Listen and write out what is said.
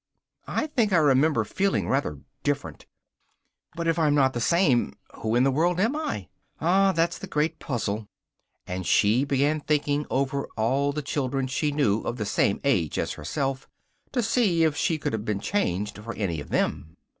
I think I remember feeling rather different. But if I'm not the same, who in the world am I? Ah, that's the great puzzle!" And she began thinking over all the children she knew of the same age as herself, to see if she could have been changed for any of them.